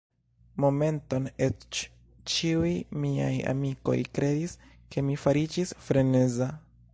Momenton eĉ ĉiuj miaj amikoj kredis, ke mi fariĝis freneza.